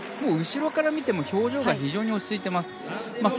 後ろから見ても表情が非常に落ち着いています。